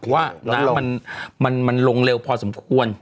ว่าน้ำมันลงเร็วพอสมควร